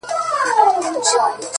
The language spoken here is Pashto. • راډيو ـ